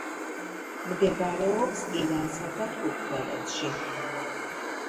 მდებარეობს ირანსა და თურქმენეთში.